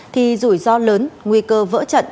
thì rủi ro lớn nguy cơ vỡ trận